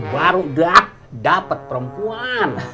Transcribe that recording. baru dapet perempuan